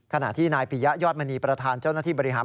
ขณะที่นายปิยะยอดมณีประธานเจ้าหน้าที่บริหาร